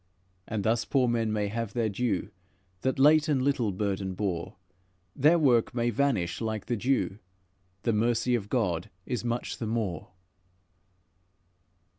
And thus poor men may have their due, That late and little burden bore; Their work may vanish like the dew, The mercy of God is much the more."